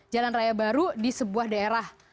jalan raya baru di sebuah daerah